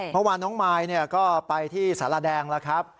เมื่อวานน้องมายก็ไปที่สารแดงแล้วครับ